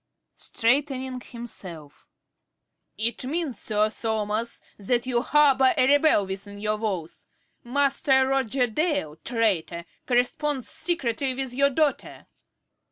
~Carey~ (straightening himself). It means, Sir Thomas, that you harbour a rebel within your walls. Master Roger Dale, traitor, corresponds secretly with your daughter.